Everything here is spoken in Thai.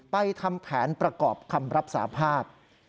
ทำแผนประกอบคำรับสาภาพ